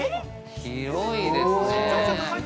広いですね。